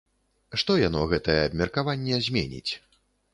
Што яно, гэтае абмеркаванне, зменіць?